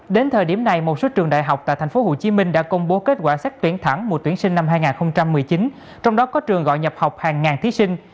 đến thời điểm này một số trường đại học tại tp hcm đã công bố kết quả xét tuyển thẳng mùa tuyển sinh năm hai nghìn một mươi chín trong đó có trường gọi nhập học hàng ngàn thí sinh